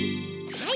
はい！